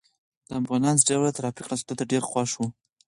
د امبولانس ډرېور د ترافیکو خلاصېدو ته ډېر خوښ شو.